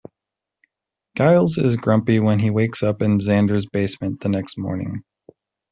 Giles is grumpy when he wakes up in Xander's basement the next morning.